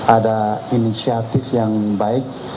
ada inisiatif yang baik